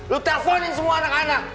lo telponin semua anak anak